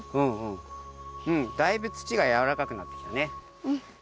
うんだいぶ土がやわらかくなってきたね。